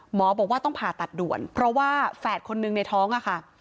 หมอบอกว่าต้องผ่าตัดด่วนเพราะว่าแฝดคนหนึ่งในท้องอะค่ะ